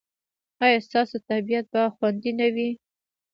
ایا ستاسو طبیعت به خوندي نه وي؟